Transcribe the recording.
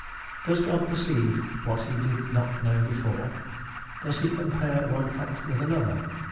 Does God perceive what he did not know before? Does he compare one fact with another?